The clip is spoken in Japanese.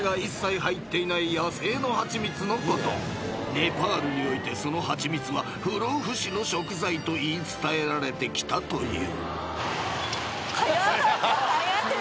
［ネパールにおいてその蜂蜜は不老不死の食材と言い伝えられてきたという］